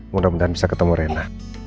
mudah mudahan bisa ketemu rena